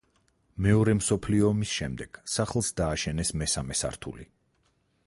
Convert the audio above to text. მეორე მსოფლიო ომის შემდეგ სახლს დააშენეს მესამე სართული.